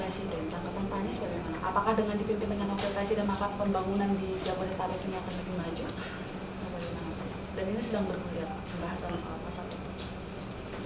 berdasarkan soal pasal itu